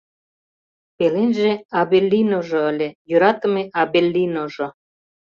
Пеленже Абеллиножо ыле, йӧратыме Абеллиножо.